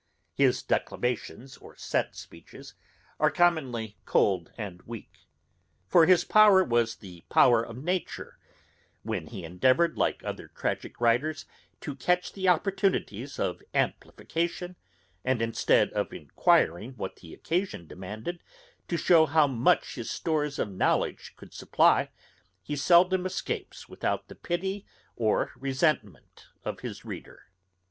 His declamations or set speeches are commonly cold and weak, for his power was the power of nature; when he endeavoured, like other tragick writers, to catch opportunities of amplification, and instead of inquiring what the occasion demanded, to show how much his stores of knowledge could supply, he seldom escapes without the pity or resentment of his reader.